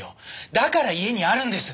だから家にあるんです。